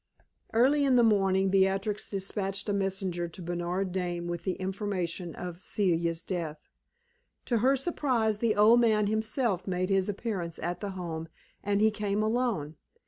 Early in the morning Beatrix dispatched a messenger to Bernard Dane with the information of Celia's death. To her surprise, the old man himself made his appearance at the Home and he came alone.